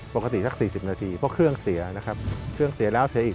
ปกติสัก๔๐นาทีเพราะเครื่องเสียนะครับเครื่องเสียแล้วเสียอีก